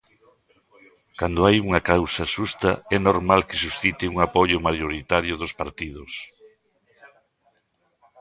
Cando hai unha causa xusta é normal que suscite un apoio maioritario dos partidos.